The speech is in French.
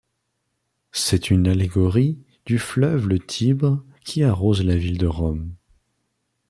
C'est une allégorie du fleuve le Tibre qui arrose la ville de Rome.